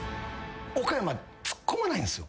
岡山ツッコまないんですよ。